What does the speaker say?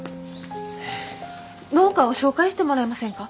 農家を紹介してもらえませんか？